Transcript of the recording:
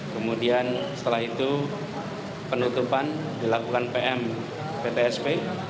kemudian setelah itu penutupan dilakukan pm ptsp